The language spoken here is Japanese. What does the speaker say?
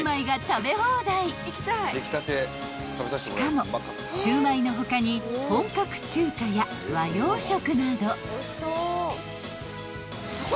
［しかもシウマイの他に本格中華や和洋食など］